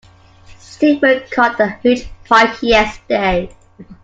Stephen caught a huge pike yesterday